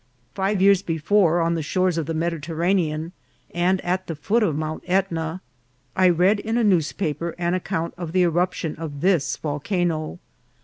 Five years before, on the shores of the Mediterranean, and at the foot of Mount Etna, I read in a newspaper an account of the eruption of this volcano.